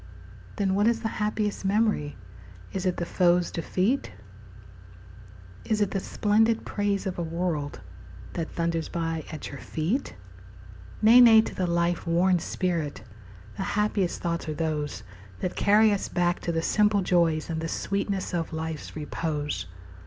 Then what is the happiest memory? Is it the foe's defeat? Is it the splendid praise of a world That thunders by at your feet? Nay, nay, to the life worn spirit The happiest thoughts are those That carry us back to the simple joys And the sweetness of life's repose.